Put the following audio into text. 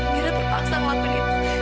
mira terpaksa ngelakuin itu